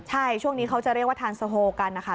ใช่ช่วงนี้เขาจะเรียกว่าทานโซโฮกันนะคะ